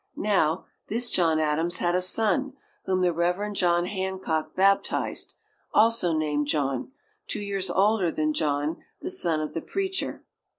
Now, this John Adams had a son whom the Reverend John Hancock baptized, also named John, two years older than John, the son of the preacher.